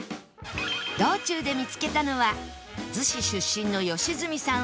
道中で見つけたのは子出身の良純さん